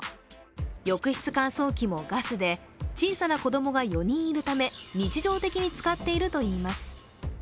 浴室乾燥機もガスで、小さな子供が４人いるため日常的に使っているといいます。